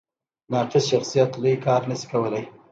ناقص شخصیت لوی کار نه شي کولی.